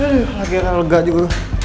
aduh lagi agak lega juga